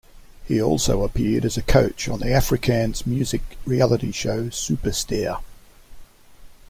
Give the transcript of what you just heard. He also appeared as a coach on the Afrikaans music reality show "Supersterre".